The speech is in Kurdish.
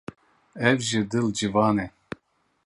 Ew ji dil ciwan e.